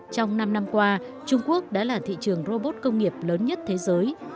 trong năm năm qua trung quốc đã là thị trường robot công nghiệp lớn nhất thế giới